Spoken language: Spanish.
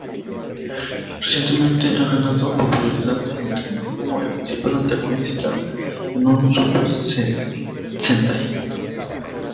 Recientemente, ha ganado popularidad en Internet como el principal antagonista en un "Super Sentai".